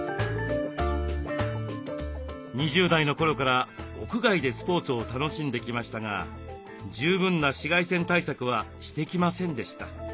２０代の頃から屋外でスポーツを楽しんできましたが十分な紫外線対策はしてきませんでした。